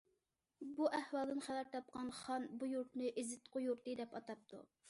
بۇ ئەھۋالدىن خەۋەر تاپقان خان بۇ يۇرتنى‹‹ ئېزىتقۇ يۇرتى›› دەپ ئاتاپتۇ.